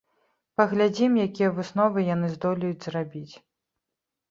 Паглядзім, якія высновы яны здолеюць зрабіць.